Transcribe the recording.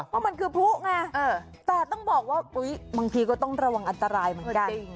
เพราะมันคือพลุไงแต่ต้องบอกว่าบางทีก็ต้องระวังอันตรายเหมือนกัน